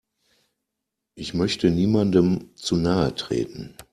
Ich möchte niemandem zu nahe treten.